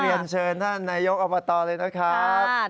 เรียนเชิญท่านนายกอบตเลยนะครับ